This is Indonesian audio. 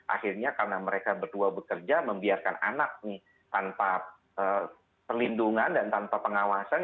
akhirnya karena mereka berdua bekerja membiarkan anak nih tanpa perlindungan dan tanpa pengawasan